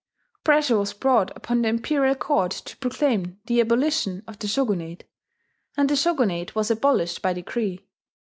Pressure was brought upon the imperial court to proclaim the abolition of the Shogunate; and the Shogunate was abolished by decree.